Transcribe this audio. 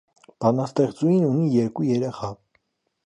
Բանաստեղծուհին ունի երկու երեխա։